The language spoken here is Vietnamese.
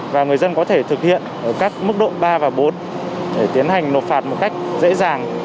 và người dân có thể thực hiện ở các mức độ ba và bốn để tiến hành nộp phạt một cách dễ dàng